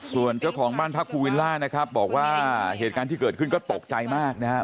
ส่วนเจ้าของบ้านพักภูวิลล่านะครับบอกว่าเหตุการณ์ที่เกิดขึ้นก็ตกใจมากนะครับ